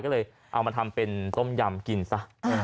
ก็เลยเอามาทำเป็นต้มยำกินซะ